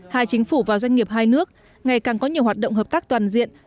hai chính phủ và doanh nghiệp hai nước ngày càng có nhiều hoạt động hợp tác toàn diện